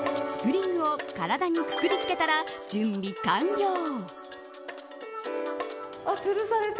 スプリングを体にくくりつけたら準備完了。